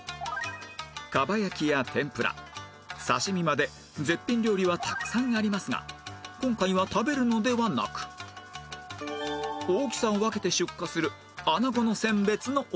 蒲焼や天ぷら刺身まで絶品料理はたくさんありますが今回は食べるのではなく大きさを分けて出荷するあなごの選別のお手伝い